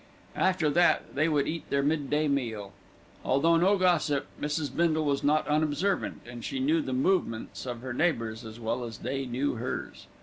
After that, they would eat their mid day meal. Although no gossip, Mrs. Bindle was not unobservant, and she knew the movements of her neighbours as well as they knew hers.